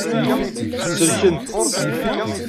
Selkent.